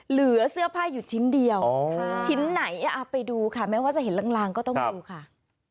เหลือเสื้อผ้าอยู่ชิ้นเดียวชิ้นไหนไปดูค่ะแม้ว่าจะเห็นลางก็ต้องดูค่ะ